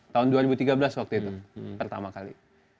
tahun dua ribu tiga belas waktu itu pertama kali